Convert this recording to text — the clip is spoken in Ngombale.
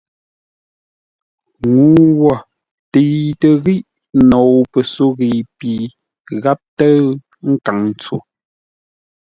Ŋuu wo təitə́ ghíʼ nou pəsóghəi pi gháp tə́ʉ nkaŋ ntso.